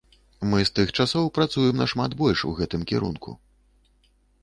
Мы з тых часоў працуем нашмат больш у гэтым кірунку.